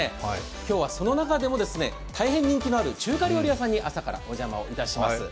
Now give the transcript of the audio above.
今日はその中でも大変人気のある中華料理屋さんに朝からおじゃまいたします。